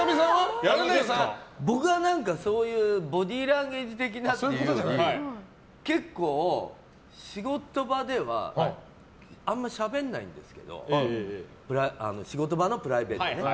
僕はそういうボディーランゲージ的なっていうより結構仕事場ではあんまりしゃべんないんですけど仕事場のプライベートでね。